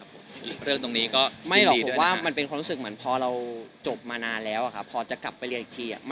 ไปนั่งเรียนอะไรอย่างเงี้ยครับมันจะแบบคิดเยอะ